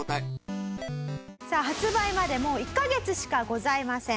さあ発売までもう１カ月しかございません。